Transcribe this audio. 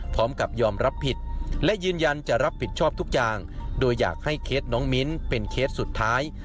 พร้อมกับยอมรับผิดและยืนยันจะรับผิดชอบทุกอย่างโดยอยากให้เคสน้องมิ้นเป็นเคสสุดท้าย